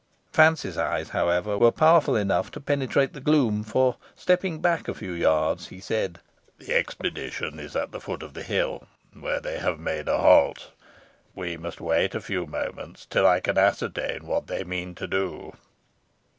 Fancy's eyes, however, were powerful enough to penetrate the gloom, for stepping back a few yards, he said "The expedition is at the foot of the hill, where they have made a halt. We must wait a few moments, till I can ascertain what they mean to do.